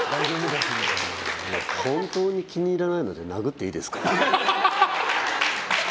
本当に気に入らないので殴っていいですか？